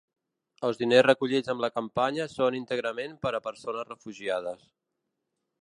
Els diners recollits amb la campanya són íntegrament per a les persones refugiades.